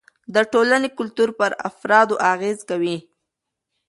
د ټولنې کلتور پر افرادو اغېز کوي.